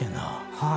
はい。